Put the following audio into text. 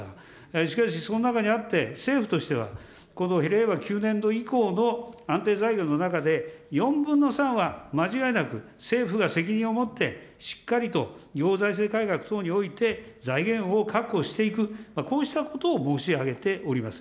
しかし、その中にあって、政府としてはこの令和９年度以降の安定財源の中で、４分の３は間違いなく政府が責任を持ってしっかりと行財政改革等において財源を確保していく、こうしたことを申し上げております。